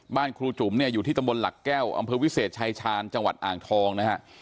ครูจุ๋มเนี่ยอยู่ที่ตำบลหลักแก้วอำเภอวิเศษชายชาญจังหวัดอ่างทองนะฮะ